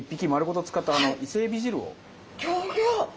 ギョギョ！